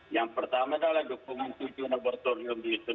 yang pertama adalah dukungan tujuh laboratorium di senegi selatan